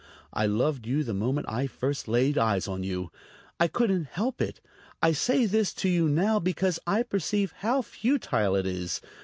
I loved you the moment I first laid eyes on you. I couldn't help it. I say this to you now because I perceive how futile it is.